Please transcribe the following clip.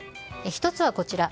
１つは、こちら。